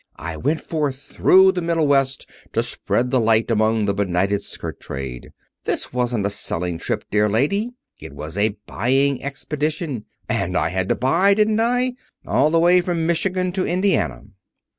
I went forth through the Middle West to spread the light among the benighted skirt trade. This wasn't a selling trip, dear lady. It was a buying expedition. And I had to buy, didn't I? all the way from Michigan to Indiana."